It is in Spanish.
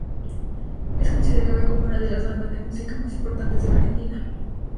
Es considerada como una de las bandas de música más importantes de la Argentina.